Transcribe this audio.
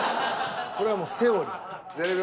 これはもうセオリー。